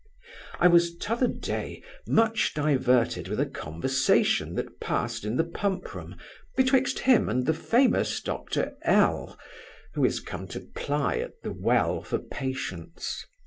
I was t'other day much diverted with a conversation that passed in the Pump room, betwixt him and the famous Dr L n, who is come to ply at the Well for patients.